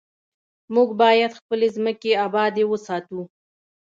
موږ باید خپلې ځمکې ابادې وساتو.